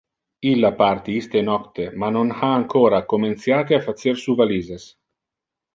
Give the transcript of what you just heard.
Illa parti iste nocte, ma non ha ancora comenciate a facer su valises.